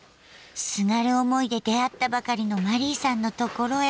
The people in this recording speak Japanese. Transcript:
すがる思いで出会ったばかりのマリーさんのところへ。